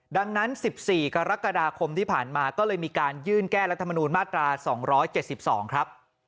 ดังนั้น๑๔กรกฎาคมที่ผ่านมาก็เลยมีการยื่นแก้รัฐมนูลมาตรา๒๗๒ครับ